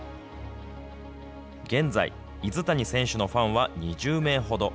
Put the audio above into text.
現在、泉谷選手のファンは２０名ほど。